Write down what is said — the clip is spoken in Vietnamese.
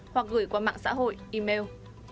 hoặc gửi qua mạng xã hội email